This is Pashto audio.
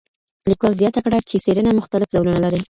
لیکوال زیاته کړه چي څېړنه مختلف ډولونه لري.